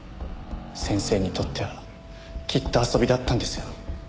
先生にとってはきっと遊びだったんですよね？